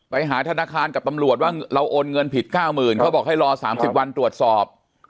ไปหาธนาคารกับตำรวจว่าเราโอนเงินผิด๙๐๐เขาบอกให้รอ๓๐วันตรวจสอบ